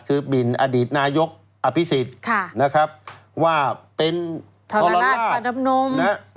คือบินอดีตนายกอภิษฎว่าเป็นธรรมนม